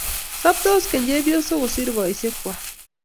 Soptos keny chepyosok kosir poisyek kwag.